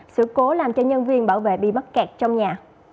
sửa cố làm cho nhân viên bảo vệ bị bắt kẹt trong nhà